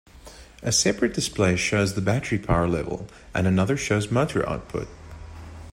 A separate display shows the battery power level and another shows motor output.